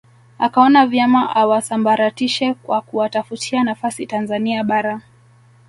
Akaona vyema awasambaratishe kwa kuwatafutia nafasi Tanzania Bara